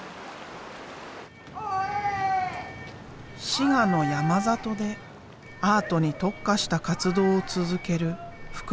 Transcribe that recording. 滋賀の山里でアートに特化した活動を続ける福祉施設がある。